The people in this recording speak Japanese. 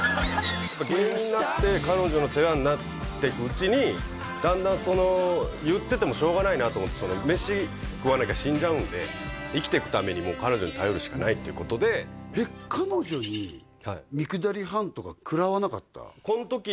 芸人になって彼女の世話になっていくうちにだんだん言っててもしょうがないなと思って飯食わなきゃ死んじゃうんで生きていくためにも彼女に頼るしかないってことで食らわなかった？